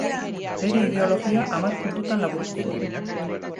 Bere ideologia hamar puntutan laburtu zuen.